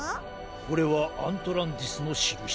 これはアントランティスのしるし。